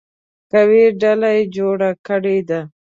قوي ډله جوړه کړې ده.